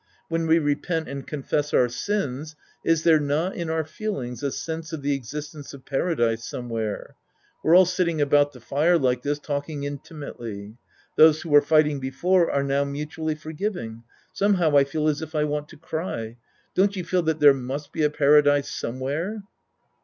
When we repent and confess our sins, is there not in our feelings a sense of the existence of Paradise somewhere ? We're all sitting about the fire like this talking intimately. Those vv'ho were fighting before are now mutually forgiving. Somehow I feel as if I want to cry. Don't you feel that there must be a Paradise somewhere